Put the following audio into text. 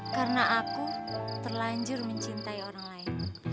karena aku terlanjur mencintai orang lain